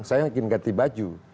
saya ingin ganti baju